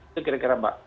itu kira kira mbak